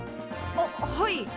あっはい。